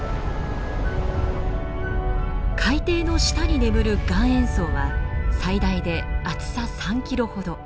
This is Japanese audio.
海底の下に眠る岩塩層は最大で厚さ３ｋｍほど。